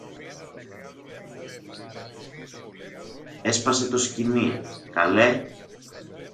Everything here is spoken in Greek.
Έσπασε το σκοινί, καλέ!